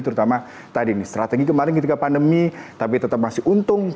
terutama tadi nih strategi kemarin ketika pandemi tapi tetap masih untung